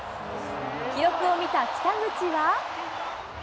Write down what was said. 記録を見た北口は。